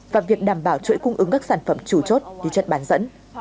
và việc đảm bảo chuỗi cung ứng các sản phẩm chủ chốt như chất bán dẫn